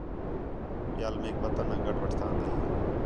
ٻِیال میک وطن آ گڈھ وٹھتاندے